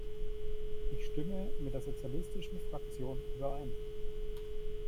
Ich stimme mit der Sozialistischen Fraktion überein.